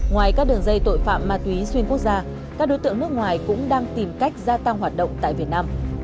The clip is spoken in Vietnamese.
ngoài các đường dây tội phạm ma túy xuyên quốc gia các đối tượng nước ngoài cũng đang tìm cách gia tăng hoạt động tại việt nam